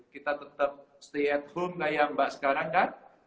kita tetap stay at home kayak mbak sekarang kan